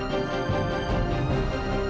dan kenapa aku